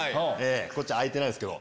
こっち空いてないですけど。